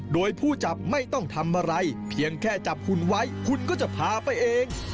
โดยผู้จับไม่ต้องทำอะไรเพียงแค่จับหุ่นไว้คุณก็จะพาไปเอง